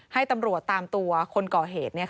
ให้ตำรวจตามตัวคนก่อเหตุ